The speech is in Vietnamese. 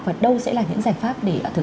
và đâu sẽ là những giải pháp